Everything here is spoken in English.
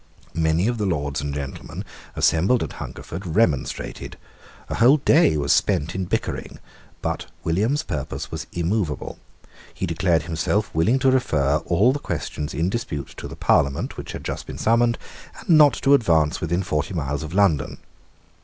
Many of the Lords and gentlemen assembled at Hungerford remonstrated: a whole day was spent in bickering: but William's purpose was immovable. He declared himself willing to refer all the questions in dispute to the Parliament which had just been summoned, and not to advance within forty miles of London.